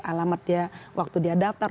alamat dia waktu dia daftar